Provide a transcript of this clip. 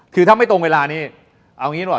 คือถ้าไม่ตรงเวลานี้เอางี้ดีกว่า